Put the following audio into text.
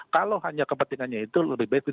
kalau hanya kepentingannya itu lebih baik